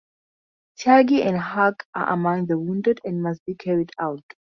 Tyagi and Haq are among the wounded and must be carried out.